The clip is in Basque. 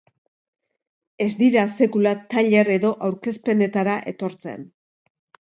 Ez dira sekula tailer edo aurkezpenetara etortzen.